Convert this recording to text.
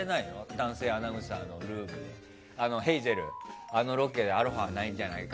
男性アナウンサーのルールとしてヘイゼル、あのロケでアロハはないんじゃないの？